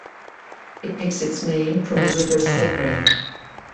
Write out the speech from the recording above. It takes its name from the river Segre.